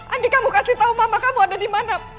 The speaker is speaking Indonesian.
andi kamu kasih tau mama kamu ada dimana